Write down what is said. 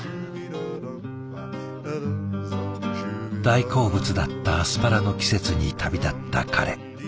大好物だったアスパラの季節に旅立った彼。